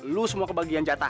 lu semua kebagian jatah